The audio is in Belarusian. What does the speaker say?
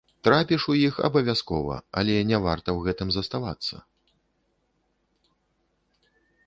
Трапіш у іх абавязкова, але не варта ў гэтым заставацца.